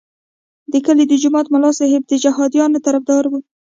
د کلي د جومات ملا صاحب د جهادیانو طرفدار وو.